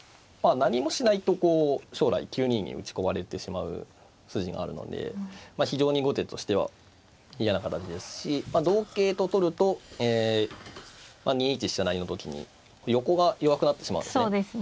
何もしないと将来９二に打ち込まれてしまう筋があるので非常に後手としては嫌な形ですしまあ同桂と取ると２一飛車成の時に横が弱くなってしまうんですね。